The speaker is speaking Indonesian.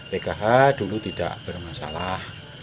pkh dulu tidak bermasalah